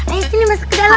ayo sini masuk ke dalam